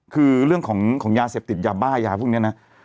คือเรื่องของยาเสพติดยาบ้ายาพวกนี้นะ